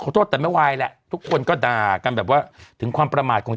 โทษแต่ไม่ไหวแหละทุกคนก็ด่ากันแบบว่าถึงความประมาทของ